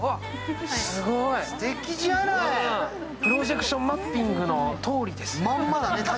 プロジェクションマッピングのとおりですね。